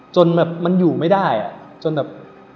จนแบบมันอยู่ไม่ได้จนแบบ